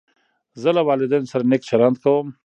زه له والدینو سره نېک چلند کوم.